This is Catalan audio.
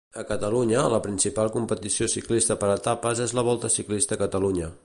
A Catalunya, la principal competició ciclista per etapes és la Volta Ciclista a Catalunya.